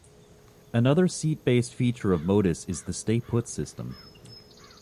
Another seat-based feature of Modus is the "Stay Put" system.